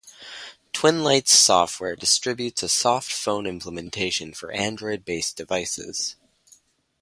Twinlights Software distributes a soft phone implementation for Android-based devices.